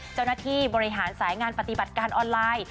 เจ้าหน้าที่บริหารสายงานปฏิบัติการออนไลน์